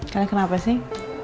kalian kenapa sih